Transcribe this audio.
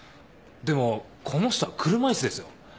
でもこの人は車椅子ですよ？